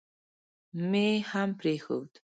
مې هم پرېښود.